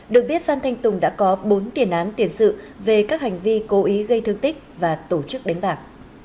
được biết phan thanh tùng đã có bốn tiền án tiền sự về các hành vi cố ý gây thương tích và tổ chức đánh bạc